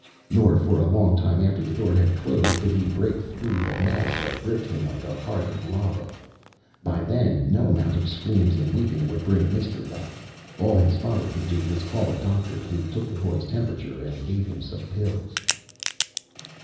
Nor for a long time after the door had closed could he break through the mass that gripped him like hardened lava. By then, no amount of screams and weeping would bring Mister back. All his father could do was to call a doctor who took the boy's temperature and gave him some pills.